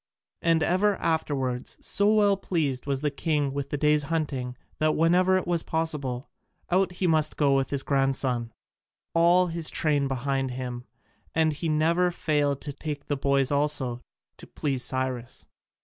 And ever afterwards, so well pleased was the king with the day's hunting, that whenever it was possible, out he must go with his grandson, all his train behind him, and he never failed to take the boys also, "to please Cyrus."